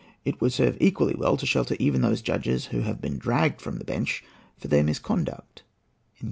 It would serve equally well to shelter even those judges who have been dragged from the bench for their misconduct."